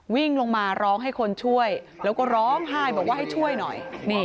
วิ่งลงมาร้องให้คนช่วยแล้วก็ร้องไห้บอกว่าให้ช่วยหน่อย